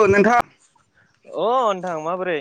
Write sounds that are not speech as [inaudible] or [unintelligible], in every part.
औ नोंथां अ थां माबोरै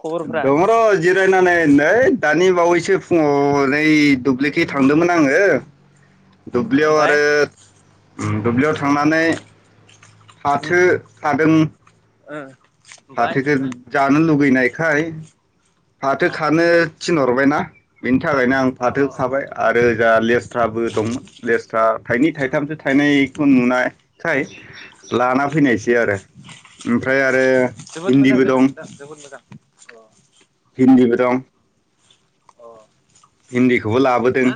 खबरफ्रा दङ र' जिरायनानै नै । दानि बावैसो फुङाव नै दुब्लिखै थांदोंमोन आंङो । दुब्लियाव ओमफाय आरो दुब्लियाव थांनानै फाथो ओ थादों ओमफाय फाथोखो जानो लुब गैनायखाय फाथो अ खानो थिनरहबायना बि थाखायनो आं अ फाथो अ अ खाबाय आरो जाहा लेस्राबो दंमोन लेस्रा थाइनै उम थाइथामसो थाइनायखो नुनायखाय [inaudible] लाना उम फैनायसै आरो ओमफ्राय अ आरो जोबोद मोजां इन्दिबो जादों दं नोंथां जोबोद मोजां अ भिन्दीबो दं अ हिन्दीखौबो बिदि लाबोदों ना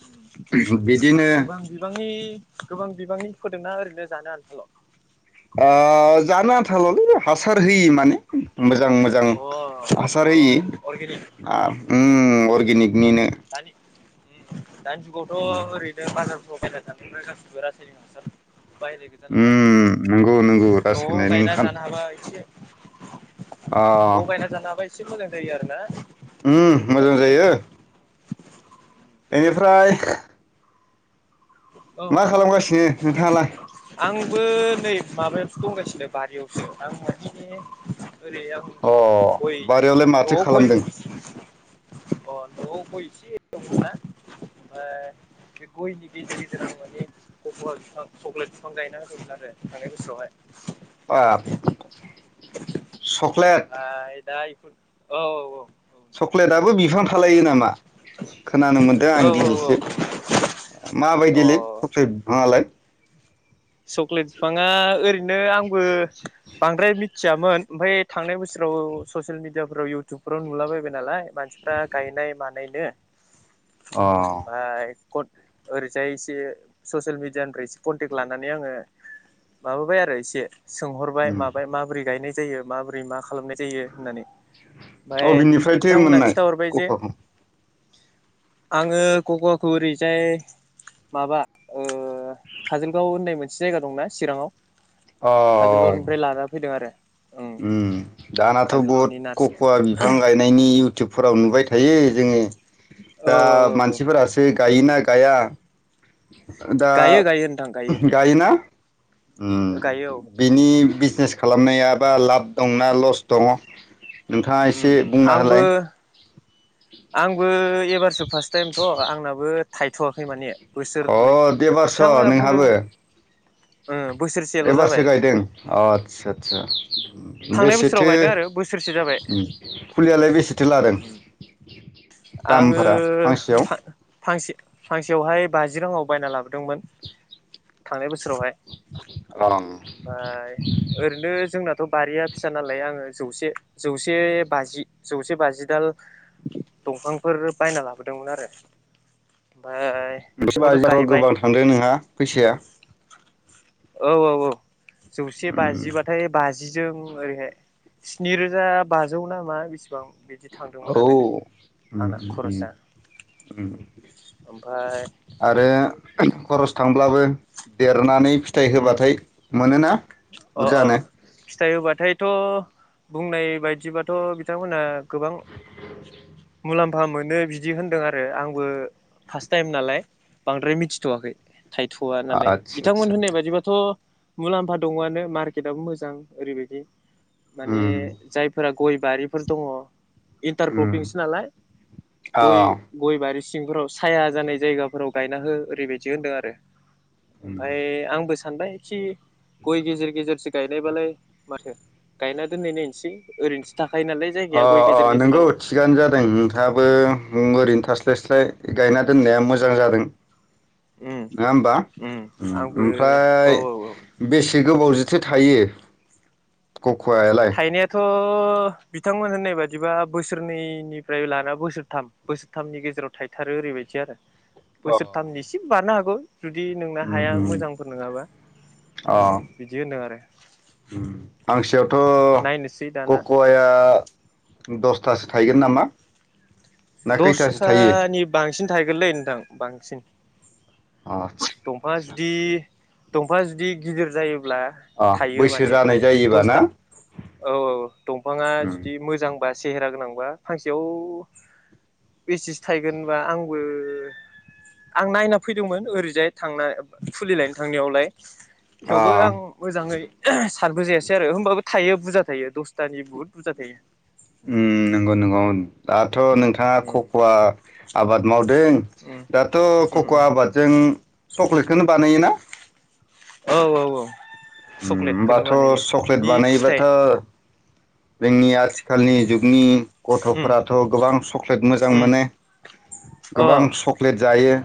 उम बा बिदिनो गोबां बिबांनि गोबां बिबांनि फोदोंना ओरैनो जानो आनथाल' आ जानो आनथाल'लै हासार होयि माने मोजां मोजां अ हासार होयि अ अर्गेनिक उम अरगेनिक मिनो दानि दानि जुगावथ' ओरैनो बाजारफ्राव बायना [unintelligible] [unintelligible] बायनाय गोजा नालाय उम नंगौ नंगौ न'आव रासायनारि गायना ओंखाम जानो हाबा एसे अ न'आव गायना जानो हाबाय एसे मोजां जायो आरो ना उम एम्फौ मोजां एनलाफोरखौ जायो एनिफ्राय औ मा नोंथां खालामगासिनो नोंथाङालाय आंबो नै माबायावसो दंगासिनो बारियावसो आं माने ओरै आं अ गय बारियावलाय माथो न'आव गय खालामदों अ न'आव गय [unintelligible] दङ'ना ओमफाय बे गयनि बिजि जो माने फकवा बिफां चक्लेट बिफां गायना होदोंमोन आरो थांनाय बोसोरावहाय बाब सक्लेट ओमफ्राय दा बेफोर औ औ औ चक्लेटआबो बिफां थालायो नामा खोनानो मोनदों आं औ दिनैसो औ मा औ बायदिलै अ सबसे बिफाङालाय? चक्लेट बिफाङा ओरैनो आंबो बांद्राय मि थियामोन ओमफाय थांनाय बोसोराव ससियेल मिडियाफ्राव इउटुबफोराव नुलाबायबाय नालाय मानसिफ्रा गायनाय मानायनो अ बाय कट ओरैजाय एसे ससियेल मिडियानिफ्राय एसे कनटेक्ट लान नानै आङो माबाबाय आरो एसे सोंहरबाय उम माबाय माबोरै गायनाय जायो माबोरै मा खालामनाय जायो होननानै ओमफ्राय अबेनिफ्रायथो बिथांमोनहा मोननाय खिन्थाहरबाय जे कफाखौ? आङो कक'आखौ ओरैजाय माबा ओ काजोल गाव होननाय मोनसे जायगा दंना चिराङाव? औ काजोलगावनिफ्राय लाना फैदों आरो ओं उम दानाथ' बहुत काजलगावनि नार्स कक'वा बिफां गायनायनि इउटुबफोराव नुबाय थायो जोङो औ दा औ औ औ मानसिफोरासोग गायो ना गाया ओ दा गायो गायो नोंथां गायो गायोना? गायो उम औ बेनि बिज हेस खालामनायाब बा लाब दंना लस दङ? नोंथाङा एसे बुंना होलाय? आंबोइ एबारसो फार्स्ट टाइम थ' आंनाबो थायथ'वाखै माने अ बोसोरनै देबारस' नोंहाबो ओब एबारसो गायदों अ आतसा आतसा उम थांनाय बोसोराव बेसेथो गायदों आरो बोसोरसे जाबाय उम फुलियालाय बेसेथो लादों? आङो दामफोरा फांसेयाव? फांसे फांसेयावहाय बाजि रांआव बायना लाबोदोंमोन थांनाय बोसोरावहाय। अ ओमफाय ओरैनो जोंनाथ थ' बारिया फिसा नालाय आङो जौसे जौसे बाजि जौसे बाजिदाल दंफांफोर बायना लाबोदोंमोन आरो ओमफाय बेखौनो [unintelligible] गायबाय गोबां थांदों नोंहा फैसाया औ औ औ जौसे उम बाजिबाथाय बाजिजों ओरैहाय स्नि रोजा बाजौ नामा बिसि औ उम आंना खरसा उम‌‌ उम ओमफाय आरो खरस थांब्लाबो देरनानै फिथाइ उम होबाथाय मोनोना बुरजानो? थ' बुंनाय बायदिबाथ' बिथांमोनहा गोबां मुलाम्फा मोनो बिदि होनदों आरो आंबो फार्स्ट टाइम नालाय बांद्राय मिथिथ'वाखै। थायथ'आ नालाय आदसा बिथांमोन आदसा होननाय बाथ' मुलाम्फा दङआनो मार्केटआबो मोजां ओरैबायादि। माने उम जायफोरा गय बारिफोर दङ इन्टार उम क्रपिंसो नालाय अ गय गय बारि सिंफोराव साया जानाय जायगाफोराव गायना हो ओरैबायदि होनदों आरो। ओमफाय आं आंबो सानबाय खि गय गेजेर गेजेरसो गायनायबालाय माथो गायना दोननाय नायनोसै ओरैनोसो थाख अ अ नोंगौ थिगानो जादों नोंथाङाबो ओरैनो थास्लायस्लाय गायना दोननाया मोजां जादों। उम नोङा होमबा? उम आंबो औ ओमफ्राय औ औ बेसे गोबाव जोथो थायो? कक'वायालाय? थायनायाथ' बिथांमोन होननाय बादिबा बोसोरनैनिफ्राय लाना बोसोरथाम बोसोरथामनि गेजेराव थायथारो ओरैबायदि आरो। अ बोसोरथामनि इसे बारनो हागौ [unintelligible] जुदि नोंना उम हाया उम मोजांफोर नोङाबा अ बिदि होनदों आरो। थ' नायनोसै दाना कक'वाया दस खुथासो थायगोन उम नामा! ना खैथासो थायो दसथानि बां बांसिन थाहैगोनलै नोंथां बांसिन। दंफाङा आदसा जुदि दंफाङा जुदि गिदिर जायो अब्ला अ थायो बैसो माने जानाय जायोबा ना द-दसता औ औ दंफां उम जुदि मो बा सेहेरा गोनांबा फांसेयाव बेसेसो थायगोन होनबा आंबो आं नायना फैदोंमोन ओरैजाय थांना फुलि लायनो थांनायावलाय‌। अ थेवबो आं मोजाङै सारबोजायासै आरो होमबाबो थाइयो बुरजा थाइयो दसथानि बुहुत बुरजा थाइयो। ओम नोंगौ नोंगौ ओम आथ दाथ' नोंथाङा उम खख'वा आबाद मावदों उम दाथ' उम खख'वा उम आबादजों चक्लेटखौनो बानायोना? औ औ औ। ओम चक्लेटखौनो होमबाथ' बानायो सक्लेट इनि फिथाइ बानायबाथ' जोंनि आथिखालनि जुग नि उम गथ'फोराथ' गोबां सक्लेट मोजां उम मोनो अ गोबां चक्लेट जायो।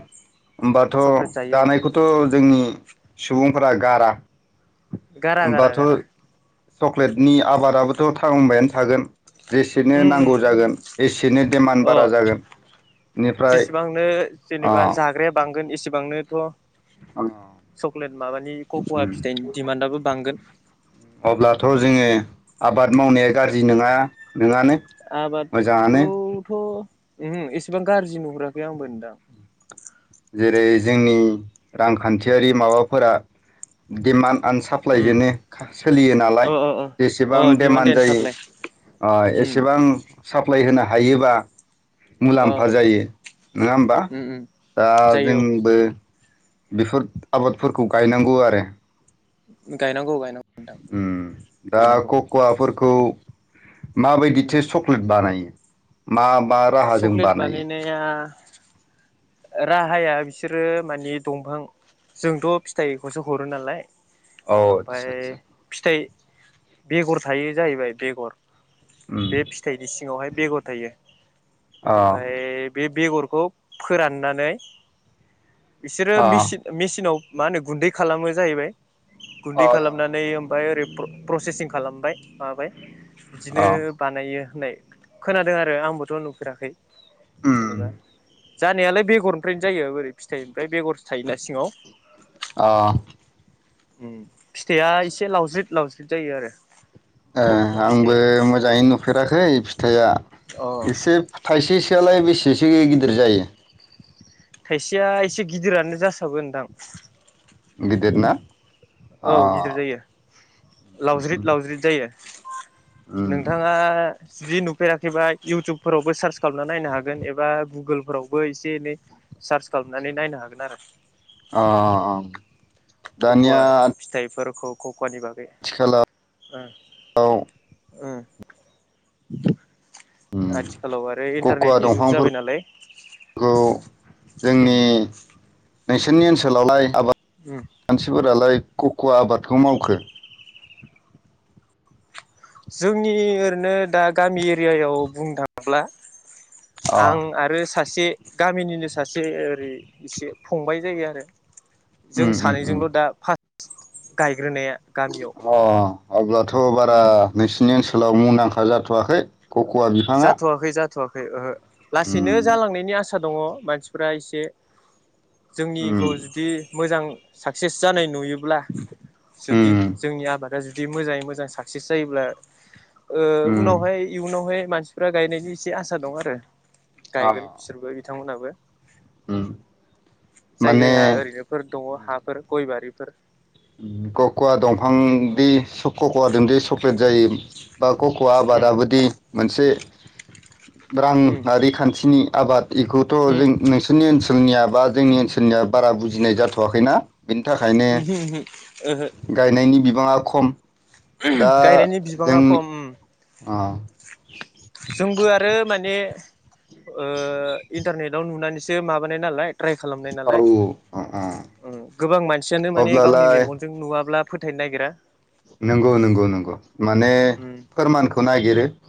होमबाथ' चक्लेट जायो औ जानायखौथ' जोंनि सुबुंफोरा गारा। गारा गारा गारा। होमबाथ' चक्लेटनि आबादाबो थ' थांबायानो थागोन। जेसेनो उम उम नांगौ जागोन एसेनो डिमान्ड अ बारा जागोन बेनिफ्राय जेसेबांनो ओ थ' चक्लेट माबानि कक'वा फिथाइनि दिमान्डआबो बांगोन। अब्लाथ' जोंङो उम आबाद मावनाया गाज्रि नोङा। आबादखौथ' ओहो एसेबां गाज्रि नुहुराखै आंबोदां। जेरै जोंनि रांखान्थियारि माबाफोरा डिमान्ड उम आनसाप्लाइजोंनो सोलियो नालाय अ अ अ अ जेसेबां डिमान्ड डेमान्ड एन्ड जायो साप्लाइ आ उम एसेबां साप्लाय होनो हायोबा अ मुलाम्फा जायो नङा होमबा? उम उम आ जायो औ जोंबो बेफोर आबादफोरखौ गायनांगौ आरो। गायनांगौ गायनांगौ। नोंथां ओम दा गायनांगौ खक'वाफोर खौ माबायदिथो चक्लेट बानायो? मा मा राहाजों चकलेट बानायो बानायनाया राहाया बिसोरो मानि दंफां जोंथ' फिथाइखौसो हरो नालाय औ ओमफाय आदसा आदसा फिथाइ बेगर थायो जाहैबाय बेगर उम बे फिथाइनि सिङावहाय बेगर थायो अ ओमफाय बे बेगरखौ फोराननानै बिसोरो अ मेसिन मेचिनाव मा होनो गुन्दै खालामो जाहैबाय अ गुन्दै खालामनानै ओमफाय ओरै प्रसेसिंखौ खालामबाय माबाय बिदिनो अ बानायो होननाय खोनादों आरो आंबोथ' नुफेराखै उम जेनेबा जानायालाय बेगरनिफ्रायनो जायो बोरै फिथाइनिफ्राय बेगरसो थायोना सिङाव अह ओम फिथाइआ एसे लावज्रिद लावज्रिद जायो आरो गख'वा ए आंबो फिथाइया मोजाङैनो नुफेराखै फिथाइआ अ एसे थाइसे फिथायालाय बेसेसो गिदिर जायो थाइसेया एसे गिदिरानो जासाबो नोंथां गिदिर ना अ औ गिदिर जायो लावज्रिद लावज्रिद जायो। उम अ नोंथाङा ज्रि नुफेराखैबा इउटुबफोरावबो सार्च खालामना नायनो हागोन एबा गुगोलफोरावबो एसे एनै सार्च खालामनानै नायनो हागोन आरो अह खख'वा फिथाइफोर खौ खौ खखानि बागै आथिखालाव उम उम [inaudible] खख'वा जाबाय नालाय दंफांफोरखौ उम जोंनि नोंसोरनि ओनसोलावलाय आबाद उम मानसिफोरालाय खक'व आबादखौ मावखो जोंनि ओरैनो दा गामि एरियायाव बुंनो थाङोब्ला अ आं आरो सासे गामिनिनो सासे ओरै इसे फंबाय जायो आरो। उम जों उम उम सानैजोंल' दा फार गाय ग्रोनाया गामियाव। आब्ला थ'। बारा उम नोंसिनि ओनसोलाव मु दांखा जाथ'वाखै। खख'वा बिफाङा। थ'वाखै ओहो। लासैनो उम जालांनायनि आस आसा दङ मानसिफ्रा एसे। उम जोंनिखौ जुदि मोजां। साक्सेस जानाय नुयोब्ला। जुदि उम जोंनि आबादा जुदि बिदि मोजाङै मोजां साक्सेस जायोब्ला। ओ उम उनावहाय इयुनावहाय फ्रा गायनायनि इसे आसा दंङो आरो। अ गायगोन बिसोरबो बिथांमोनहाबो। उम। जाय माने जायहा ओरैनोफोर दङ हाफोर गय बारि। फोर क'कवा दं फां दि सख क'कवा दोंदि सख फोजायो। बा क'कवा आबादाबदि मोनसे उम रांआ'रि खान्थिनि आबाद। बेखौथ' उम जों नोंसोरनि ओनसोलनिया बा जोंनि ओनसोलनिया बारा बुजिनाय जाथ'वाखैना । बेनि थाखायनो उमहो उमहो ओहो। गायनायनि बिबाङा खम गायनायनि बिबाङा खम ओम । आ। जोंबो आरो माने ओ इन्टारनेटाव नुनानैसो माबानाय नालाय । ट्राइ खालामनाय औ नालाय अ अ ओ गोबां मानसियानो माने गावनि अब्लालाय मेगनजों नुवाब्ला फोथायनो नागिरा नोंगौ नोंगौ नोंगौ माने उम फोरमानखौ नागिरो ‌।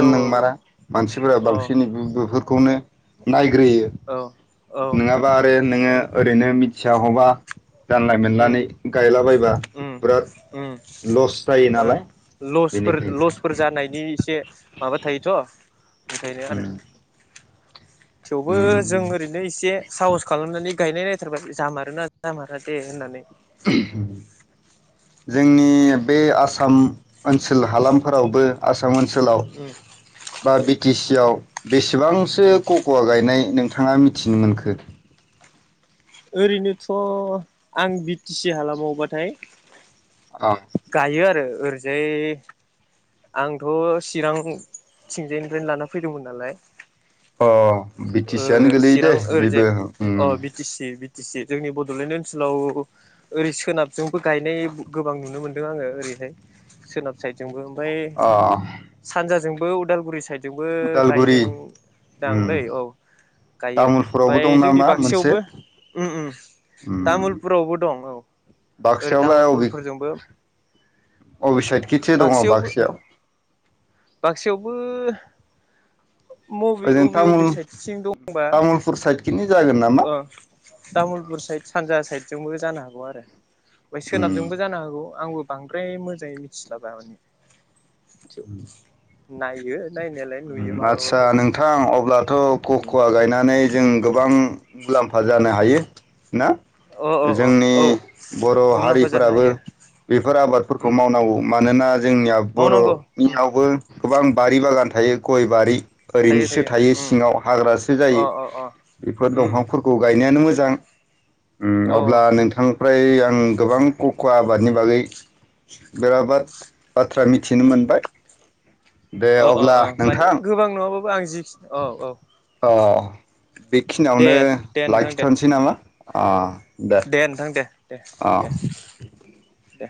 औ औ नोंमारा मानसिफोरा औ बांसिन इदिबाफोर खौनो नायग्रोयो अ औ नोङाबा आरो औ नोङो ओरैनो मिथिया हबा जानला उम मोनलानि गायलाबायबा उम बिराद उम लस' जायो । ओ नालाय। लस'फोर बेनिखायनो लस'फोर जानायनि इसे माबा थायोथ' बेखायनो उम आरो। थेवबो जों उम ओरैनो एसे साहस खालामनानै गायनाय नायो । सोरबा जामारोना जामारा दे होननानै? जोंनि बे आसाम ओनसोल हालामफोरावबो आसा म ओनसोलाव उम बा बिटि सि आव बेसेबांसो कक'वा गायनाय नों थाङा मिथिनो मोनखो? ओरैनोथ' आं बि टि सि हालामावबाथाय आ। हायो आरो ओरैजाय आंथ' चिरां थिंजायनिफ्रायनो लाना फैदोंमोन नालाय। अ। बि टि ओ सि आनो गोलैयो दे चिरां बेबो ओरैजाय उम अ बि टि सि जोंनि बड'लेण्ड ओनसोलाव ओरै सोनाबजोंबो गायनाय बो गोबां नुनो मोनदों आङो ओरैहाय सोनाब साइदजोंबो ओमफ्राय अ सानजाजों बो उदालगुरि साइड जोंबो उदालगुरि गायदों उम दांलै औ । गायो तामुलपुरावबो ओमफाय दं जोंनि नामा मोनसे बाक्सायावबो उम उम उम तामुलपुरावबो दं औ ओरै बाक्सायावलाय अबे तामुलपुरफोरजोंबो अबे साइडखिथो दङ बाक्सायावबो बाक्सायाव बांक्सा यावबो मबे ओजों अबे अबे साइड थिं दंबा । खिनि जागोन नामा? तामुलपुर साइद सानजा साइदजोंबो जानो हागौ आरो। उम सोनाबजोंबो जानो हागौ । आंबो बांद्राय मोजाङै मिथिस्लाबा माने । उम। नायो नायनायालाय नुयो उम आदसा माब्लाबाफोर नोंथां अब्लाथ' खख'वा गायनानै जों गोबां मुलाम्फा जानो हायो ना। अ अ अ जोंनि औ बर' मुलाम्फा जानो हारिफोराबो हायो बेफोर आबादफोरखौ उम मावनांगौ मानोना जोंनिया मावनांगौ उम बर'नियावबो गोबां बारि बागान उम थायो । गय बारि ओरैनोसो थायो सिङाव हाग्रासो जायो। अ अ अ बेफोर उम दंफांफोरखौ गायनायानो मोजां । उम औ औ अब्ला नोंथांनिफ्राय आं गोबां क'क'वा आबादनि बागै बेरा बा बाथ्रा मिथिनो मोनबाय। दे अ अ अब्ला अ माने नोंथां गोबां नङाबाबो बो आं जिखि औ औ। अ। दे बेखिनियावनो दे नोंथां दे लाखिथ'नसै नामा? अ। दे नोंथां दे । दे अ दे। दे।